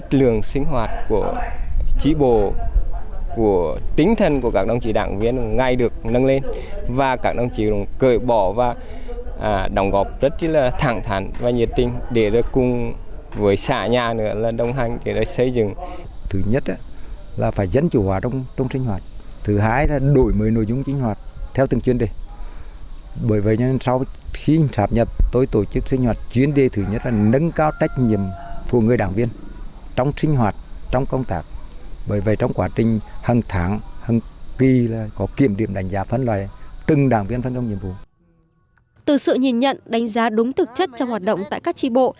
từ sự nhìn nhận đánh giá đúng thực chất trong hoạt động tại các trị bộ